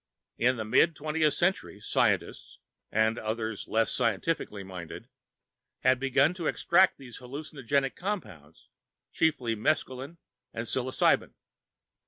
In the mid twentieth century, scientists and others less scientifically minded had begun to extract those hallucinogenic compounds, chiefly mescaline and psilocybin.